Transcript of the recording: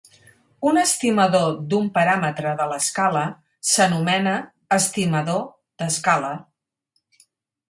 Un estimador d'un paràmetre de l'escala s'anomena estimador d'escala.